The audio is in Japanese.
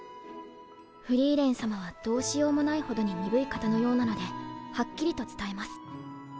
フリーレン様はどうしようもないほどに鈍い方のようなのではっきりと伝えます。